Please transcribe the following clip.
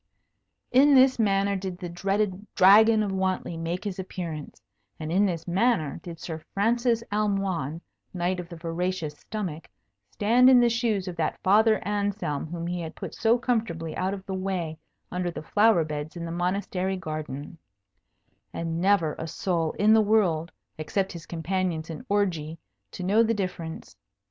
In this manner did the dreaded Dragon of Wantley make his appearance, and in this manner did Sir Francis Almoign, Knight of the Voracious Stomach, stand in the shoes of that Father Anselm whom he had put so comfortably out of the way under the flower beds in the Monastery garden, and never a soul in the world except his companions in orgy to know the difference.